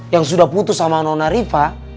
yang sudah putus sama nona riva